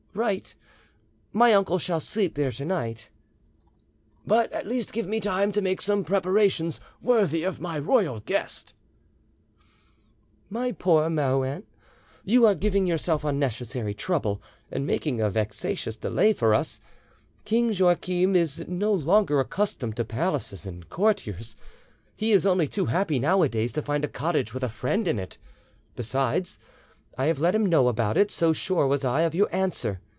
"Right. My uncle shall sleep there to night." "But at least give me time to make some preparations worthy of my royal guest." "My poor Marouin, you are giving yourself unnecessary trouble, and making a vexatious delay for us: King Joachim is no longer accustomed to palaces and courtiers; he is only too happy nowadays to find a cottage with a friend in it; besides, I have let him know about it, so sure was I of your answer.